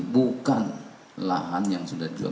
bukan lahan yang sudah dijual